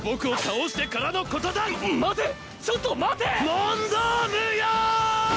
問答無用！